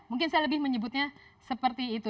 mungkin saya lebih menyebutnya seperti itu